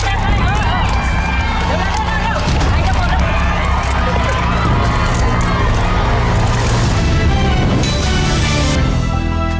เดี๋ยวนะ